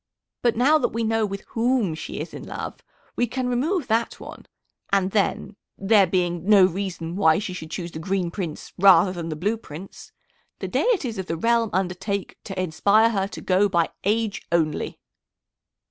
But now that we know with whom she is in love, we can remove that one, and then, there being no reason why she should choose the Green Prince rather than the Blue Prince, the deities of the realm undertake to inspire her to go by age only."